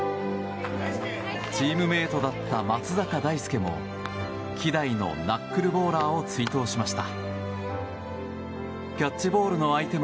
チームメートだった松坂大輔も稀代のナックルボーラーを追悼しました。